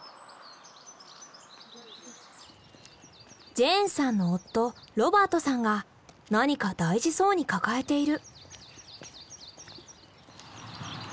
ジェーンさんの夫ロバートさんが何か大事そうに抱えている。